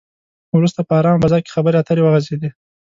وروسته په ارامه فضا کې خبرې اترې وغځېدې.